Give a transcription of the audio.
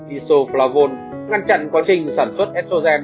isoflavone ngăn chặn quá trình sản xuất estrogen